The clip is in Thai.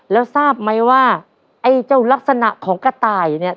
แล้วทราบไหมว่าไอ้เจ้าลักษณะของกระต่ายเนี่ย